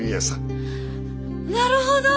なるほど！